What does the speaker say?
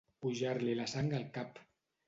Pujar-li la sang al cap.